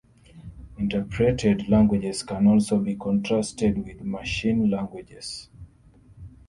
Interpreted languages can also be contrasted with machine languages.